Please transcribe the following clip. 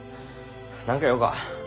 何か用か？